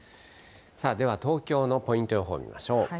では東京のポイント予報見ましょう。